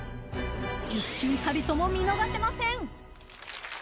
一瞬たりとも見逃せません。